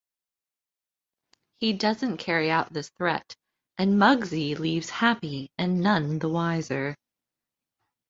He doesn't carry out this threat and Mugsy leaves happy and none the wiser.